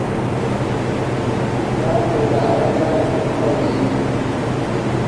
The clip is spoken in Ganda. Baatula awataali bidduka bingi.